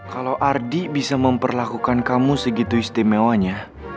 kalau ardi bisa memperlakukan kamu segitu istimewanya